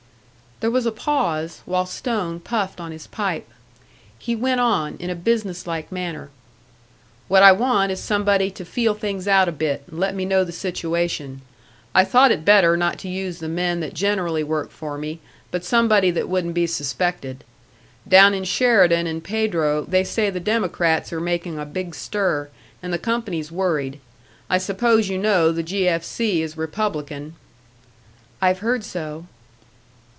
There was a pause, while Stone puffed on his pipe. He went on, in a business like manner. "What I want is somebody to feel things out a bit, and let me know the situation. I thought it better not to use the men that generally work for me, but somebody that wouldn't be suspected. Down in Sheridan and Pedro they say the Democrats are making a big stir, and the company's worried. I suppose you know the 'G. F. C.' is Republican." "I've heard so."